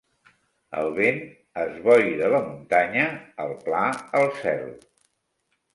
El vent esboira la muntanya, el pla, el cel.